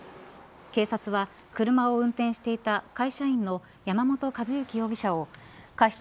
警察は車を運転していた会社員の山本和之容疑者を過失